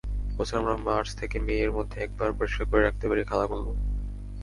বছরে আমরা মার্চ থেকে মে-এর মধ্যে একবার পরিষ্কার করতে পারি খালগুলো।